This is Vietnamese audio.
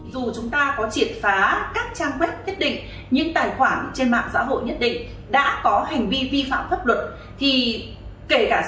dù chúng ta có triệt phá các trang web nhất định những tài khoản trên mạng giã hội nhất định đã có hành vi vi phạm pháp luật